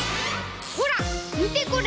ほらみてこれ！